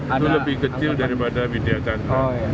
itu lebih kecil daripada widya chandra